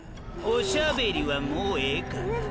おしゃべりはもうええかな？